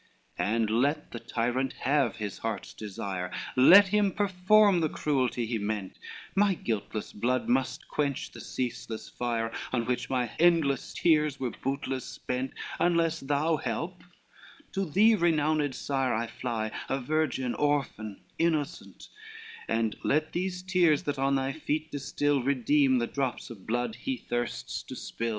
LXI "And let the tyrant have his heart's desire, Let him perform the cruelty he meant, My guiltless blood must quench the ceaseless fire On which my endless tears were bootless spent, Unless thou help; to thee, renowned Sire, I fly, a virgin, orphan, innocent, And let these tears that on thy feet distil, Redeem the drops of blood, he thirsts to spill.